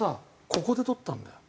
ここで捕ったんだよ。